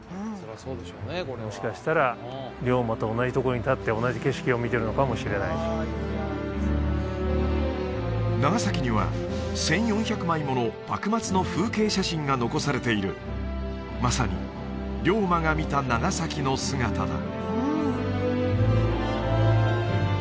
ここもしかしたら龍馬と同じところに立って同じ景色を見てるのかもしれない長崎には１４００枚もの幕末の風景写真が残されているまさに龍馬が見た長崎の姿だ